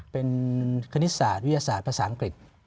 เป็นคณิตศาสตร์วิทยาศาสตร์ภาษาอังกฤษ